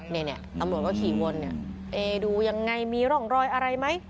นี่ตำรวจก็ขี่วนดูยังไงมีร่องรอยอะไรไหม